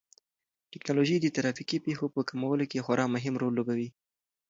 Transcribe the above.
ټیکنالوژي د ترافیکي پېښو په کمولو کې خورا مهم رول لوبوي.